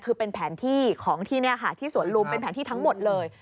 คือเป็นแผนที่ของที่นี่ค่ะที่สวนลุมเป็นแผนที่ทั้งหมดเลย